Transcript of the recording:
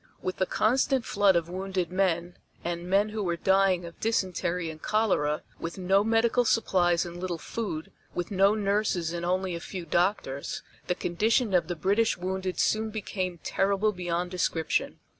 With the constant flood of wounded men, and men who were dying of dysentery and cholera, with no medical supplies and little food, with no nurses and only a few doctors, the condition of the British wounded soon became terrible beyond description.